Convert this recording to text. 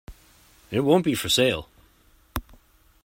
It won't be for sale.